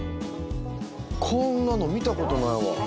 こんなの見たことないわ。